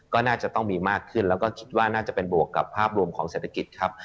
ก็น่าจะต้องมีมากขึ้นแล้วก็คิดว่าน่าจะเป็นบวกกับภาพรวมของเศรษฐกิจครับ